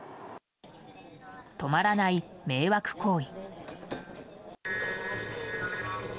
止まらない迷惑行為。